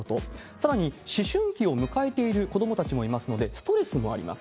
さらに、思春期を迎えている子どもたちもいますので、ストレスもあります。